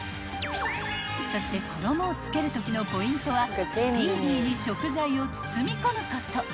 ［そして衣を付けるときのポイントはスピーディーに食材を包み込むこと］